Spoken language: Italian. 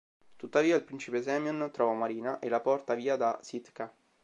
Tuttavia, il principe Semyon trova Marina e la porta via da Sitka.